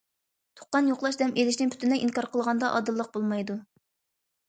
تۇغقان يوقلاش دەم ئېلىشنى پۈتۈنلەي ئىنكار قىلغاندا ئادىللىق بولمايدۇ.